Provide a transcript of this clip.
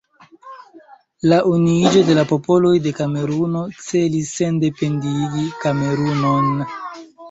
La Unuiĝo de la Popoloj de Kameruno celis sendependigi Kamerunon.